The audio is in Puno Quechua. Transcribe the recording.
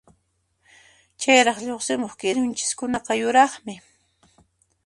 Chayraq lluqsimuq kirunchiskunaqa yuraqmi.